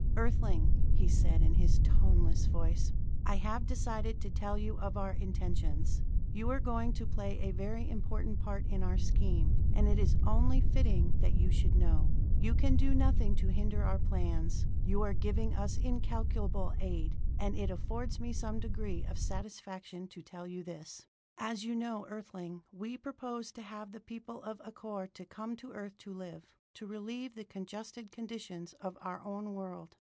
"Earthling," he said in his toneless voice, "I have decided to tell you of our intentions. You are going to play a very important part in our scheme, and it is only fitting that you should know. You can do nothing to hinder our plans: you are giving us incalculable aid: and it affords me some degree of satisfaction to tell you this. "As you know, Earthling, we purpose to have the people of Acor to come to Earth to live, to relieve the congested conditions of our own world.